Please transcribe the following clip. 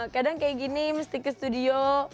kadang kayak gini mesti ke studio